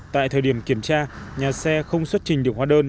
tại thời điểm kiểm tra nhà xe không xuất trình được hóa đơn